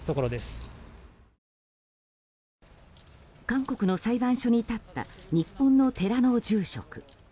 韓国の裁判所に立った日本の寺の住職。